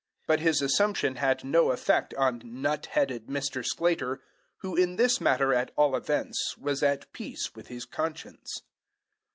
But his assumption had no effect on nut headed Mr. Sclater, who, in this matter at all events, was at peace with his conscience.